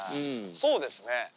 そうですね。